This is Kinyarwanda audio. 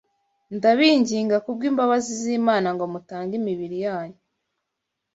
ndabinginga kubw’imbabazi z’Imana ngo mutange imibiri yanyu,